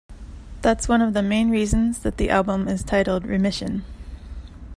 That's one of the main reasons that the album is titled Remission.